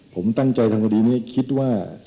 ผมตั้งใจทำคดีนี้คิดว่า